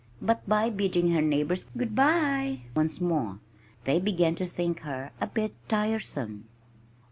but by bidding her neighbors "Good by!" once more, they began to think her a bit tiresome.